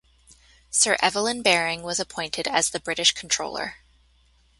Sir Evelyn Baring was appointed as the British Controller.